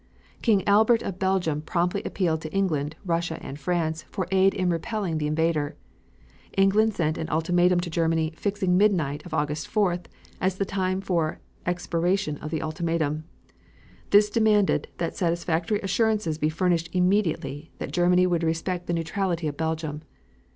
King Albert of Belgium promptly appealed to England, Russia and France for aid in repelling the invader. England sent an ultimatum to Germany fixing midnight of August 4th as the time for expiration of the ultimatum. This demanded that satisfactory assurances be furnished immediately that Germany would respect the neutrality of Belgium.